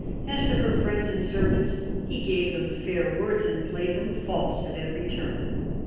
As to her friends and servants, he gave them fair words and played them false at every turn.